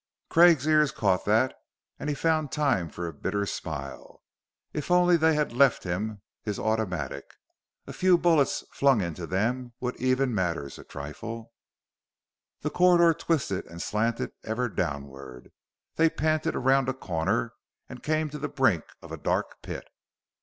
Craig's ears caught that, and he found time for a bitter smile. If! If only they had left him his automatic! A few bullets flung into them would even matters a trifle. The corridor twisted and slanted ever downward. They panted around a corner and came to the brink of a dark pit.